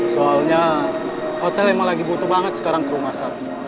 soalnya hotel emang lagi butuh banget sekarang kru masak